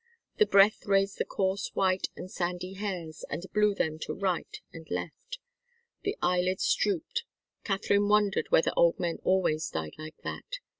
The breath raised the coarse white and sandy hairs and blew them to right and left. The eyelids drooped. Katharine wondered whether old men always died like that.